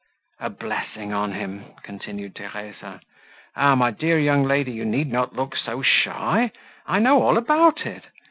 "A blessing on him!" continued Theresa. "Ah, my dear young lady, you need not look so shy; I know all about it.